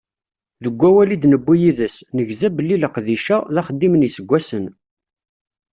Deg wawal i d-newwi yid-s, negza belli leqdic-a, d axeddim n yiseggasen.